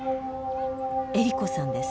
恵利子さんです。